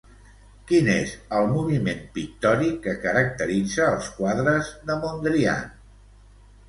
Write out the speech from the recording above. Quin és el moviment pictòric que caracteritza els quadres de Mondrian?